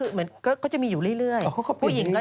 เหมือนก็จะมีอยู่เรื่อย